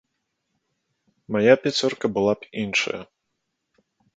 Мая пяцёрка была б іншая.